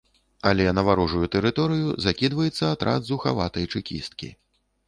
Але на варожую тэрыторыю закідваецца атрад зухаватай чэкісткі.